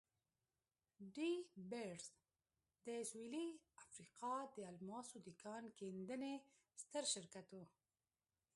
ډي بیرز د سوېلي افریقا د الماسو د کان کیندنې ستر شرکت وو.